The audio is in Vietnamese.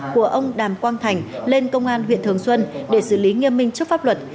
của ông đàm quang thành lên công an huyện thường xuân để xử lý nghiêm minh trước pháp luật